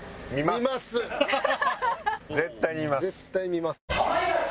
もう絶対見ます。